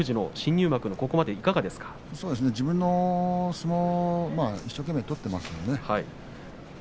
自分の相撲を一生懸命取っています。